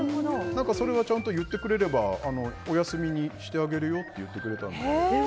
それはちゃんと言ってくれればお休みにしてあげるよって優しい！